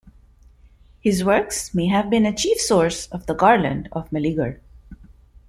His works may have been a chief source of the "Garland" of Meleager.